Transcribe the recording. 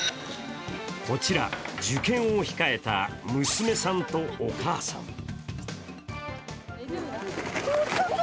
こちら受験を控えた娘さんとお母さん。